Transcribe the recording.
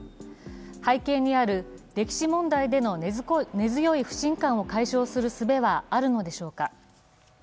背景にある歴史問題での根強い不信感を解消するすべはあるのでしょうか。